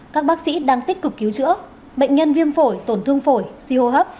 các bác sĩ đang tích cực cứu chữa bệnh nhân viêm phổi tổn thương phổi suy hô hấp